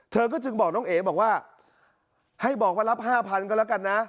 เธอก็จึงบอกน้องเอ๋บอกว่าให้บอกว่ารับ๕๐๐ก็แล้วกันนะ